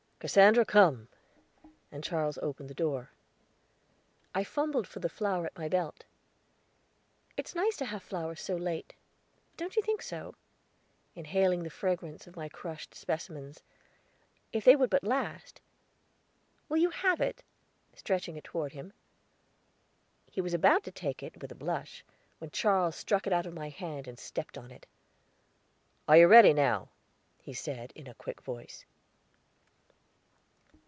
"Cassandra, come." And Charles opened the door. I fumbled for the flower at my belt. "It's nice to have flowers so late; don't you think so?" inhaling the fragrance of my crushed specimens; "if they would but last. Will you have it?" stretching it toward him. He was about to take it, with a blush, when Charles struck it out of my hand and stepped on it. "Are you ready now?" he said, in a quick voice.